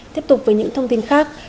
tiếp tục với những thông tin khác